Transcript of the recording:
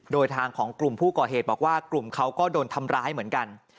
โดยทางของกลุ่มผู้ก่อเหตุบอกว่ากลุ่มเขาก็โดนทำร้ายเหมือนกัน